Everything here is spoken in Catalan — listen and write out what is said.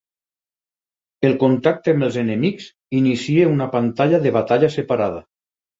El contacte amb els enemics inicia una pantalla de batalla separada.